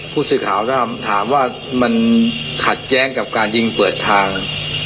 พูดสิทธิ์ข่าวนะครับถามว่ามันขัดแย้งกับการยิงเปิดทาง